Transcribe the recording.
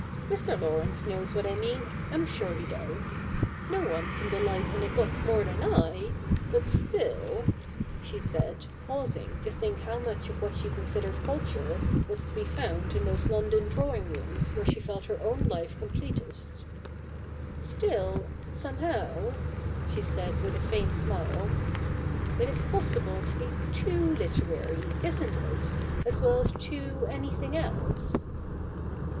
]\Ir. Laurence knows what I mean ; I'm sure he does. No one can delight in a book more than I : but still —' she said, pausing to think how much of what she considered culture was to be found in those London drawing rooms where she felt her own life completest, 'still — somehow —' she said with a faint smile, ' it is possible to be too literary, isn't it, as well as too anything else